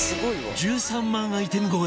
１３万アイテム超え